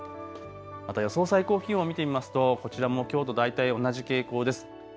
また予想最高気温を見てみますとこちらもきょうと大体、同じ傾向です。